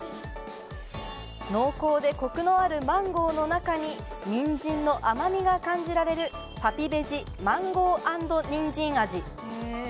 濃厚でコクのあるマンゴーの中に、にんじんの甘みが感じられるパピベジ・マンゴー＆にんじん味。